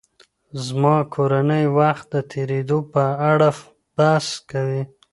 زما کورنۍ وخت د تېرېدو په اړه بحث کوي.